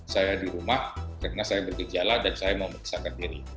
saya di rumah karena saya bergejala dan saya mau memeriksakan diri